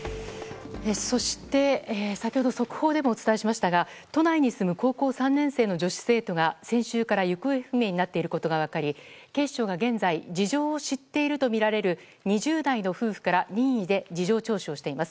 そして、先ほど速報でもお伝えしましたが都内に住む高校３年生の女子生徒が先週から行方不明になっていることが分かり警視庁が現在事情を知っているとみられる２０代の夫婦から任意で事情聴取をしています。